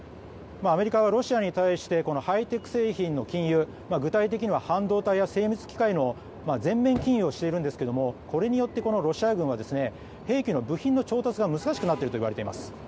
アメリカはロシアに対してハイテク製品の禁輸具体的には半導体や精密機械の全面禁輸をしているんですがこれによってロシア軍は兵器の部品の調達が難しくなっているといわれています。